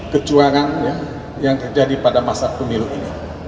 kecurangan yang terjadi pada masa pemilu ini